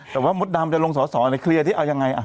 แต่ว่ามดดำจะลงสอสอในเคลียร์ที่เอายังไง